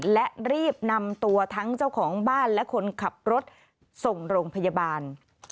และรีบนำตัวทั้งเจ้าของบ้านและคนขับรถส่งโรงพยาบาล